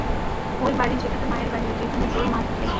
ঐ বাড়ী, যেটা তো মায়ের বাড়ী, যেখানে তোর মা থাকে।